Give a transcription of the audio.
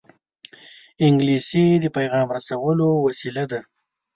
انګلیسي د پېغام رسولو وسیله ده